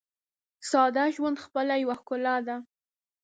ساده ژوند خپله یوه ښکلا ده.